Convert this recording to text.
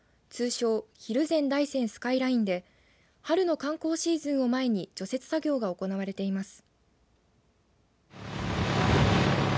通称、蒜山大山スカイラインで春の観光シーズンを前に除雪作業が行われています。